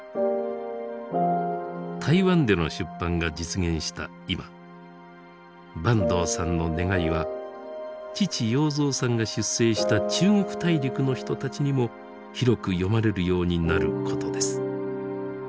台湾での出版が実現した今坂東さんの願いは父要三さんが出征した中国大陸の人たちにも広く読まれるようになることです。